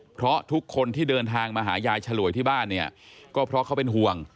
เพราะทุกคนที่เดินทางมาหายายฉลวยที่บ้านเนี่ยก็เพราะเขาเป็นห่วง